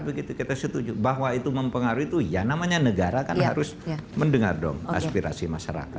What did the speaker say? begitu kita setuju bahwa itu mempengaruhi itu ya namanya negara kan harus mendengar dong aspirasi masyarakat